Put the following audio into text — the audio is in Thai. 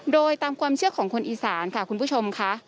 โดยตามความเชื่อของคนอีสานค่ะคุณผู้ชมค่ะ